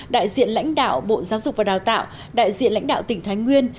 đại diện lãnh đạo bộ giáo dục và đào tạo đại diện lãnh đạo tỉnh thái nguyên